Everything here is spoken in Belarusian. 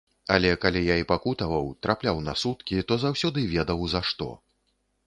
Але калі я і пакутаваў, трапляў на суткі, то заўсёды ведаў за што.